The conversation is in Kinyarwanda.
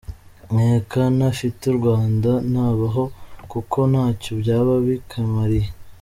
Nkeka ntafite u Rwanda ntabaho, kuko ntacyo byaba bikimariye.